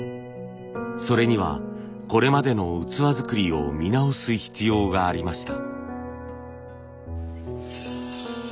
それにはこれまでの器作りを見直す必要がありました。